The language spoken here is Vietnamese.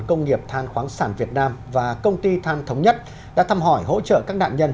công nghiệp than khoáng sản việt nam và công ty than thống nhất đã thăm hỏi hỗ trợ các nạn nhân